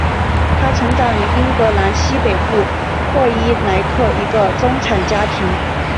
她成长于英格兰西北部霍伊莱克一个中产家庭。